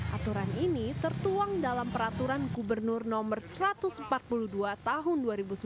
aturan ini tertuang dalam peraturan gubernur no satu ratus empat puluh dua tahun dua ribu sembilan belas